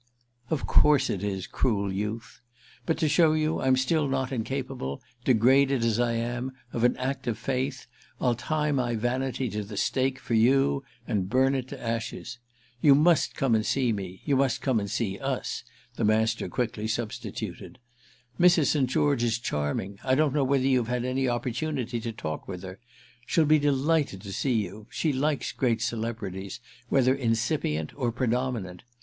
"Of course it is, cruel youth. But to show you I'm still not incapable, degraded as I am, of an act of faith, I'll tie my vanity to the stake for you and burn it to ashes. You must come and see me—you must come and see us," the Master quickly substituted. "Mrs. St. George is charming; I don't know whether you've had any opportunity to talk with her. She'll be delighted to see you; she likes great celebrities, whether incipient or predominant.